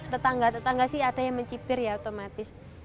tetangga tetangga sih ada yang mencibir ya otomatis